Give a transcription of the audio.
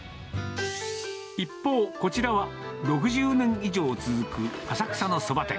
一方、こちらは６０年以上続く浅草のそば店。